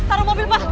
taruh mobil mas